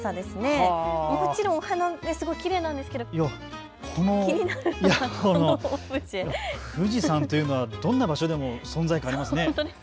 もちろんお花もきれいなんですけど気になるのはこの富士山、富士山というのはどんな場所でも存在感がありますね。